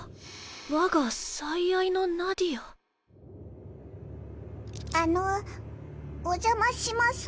我が最愛のナディアあのお邪魔します。